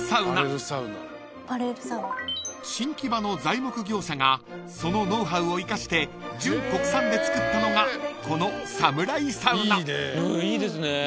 ［新木場の材木業者がそのノウハウを生かして純国産で作ったのがこのサムライサウナ］